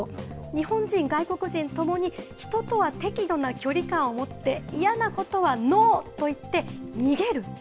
日本人、外国人ともに、人とは適度な距離感を持って、嫌なことはノーと言って逃げる。